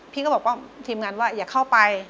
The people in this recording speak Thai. พี่ก็บอกว่าทีมงานว่าอย่าเข้าไป